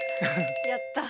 やった！